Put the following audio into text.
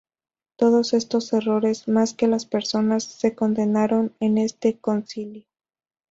Todos estos errores, más que las personas, se condenaron en este Concilio.